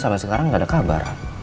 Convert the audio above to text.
sampai sekarang nggak ada kabar